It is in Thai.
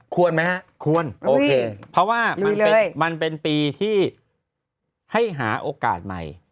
ไหมฮะควรโอเคเพราะว่ามันเป็นปีที่ให้หาโอกาสใหม่